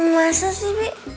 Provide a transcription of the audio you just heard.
masa sih bi